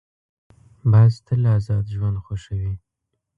باز تل آزاد ژوند خوښوي